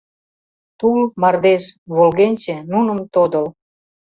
Тул, мардеж, волгенче, нуным тодыл